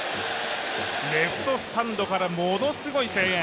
レフトスタンドからものすごい声援。